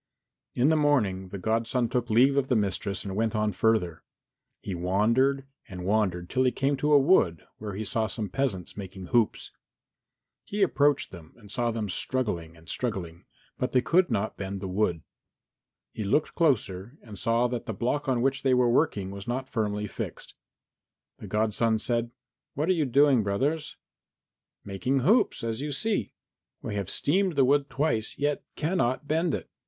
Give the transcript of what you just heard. In the morning the godson took leave of the mistress and went on further. He wandered and wandered till he came to a wood where he saw some peasants making hoops. He approached them and saw them struggling and struggling, but they could not bend the wood. He looked closer and saw that the block on which they were working was not firmly fixed. And the godson said, "What are you doing, brothers?" "Making hoops, as you see. We have steamed the wood twice, yet cannot bend it.